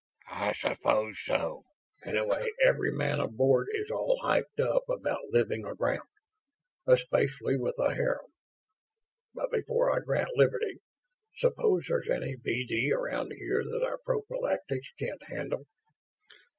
"I suppose so. Anyway, every man aboard is all hyped up about living aground especially with a harem. But before I grant liberty, suppose there's any VD around here that our prophylactics can't handle?"